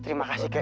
terima kasih kakek